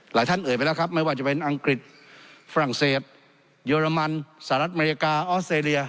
หลายท่านเอ่ยไปแล้วครับไม่ว่าจะเป็นอังกฤษฝรั่งเศสเยอรมันสหรัฐอเมริกาออสเตรเลีย